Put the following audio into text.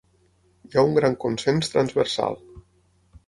Hi ha un gran consens transversal.